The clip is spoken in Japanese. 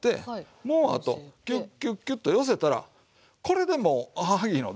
もうあとキュッキュッキュと寄せたらこれでもうおはぎの出来上がり。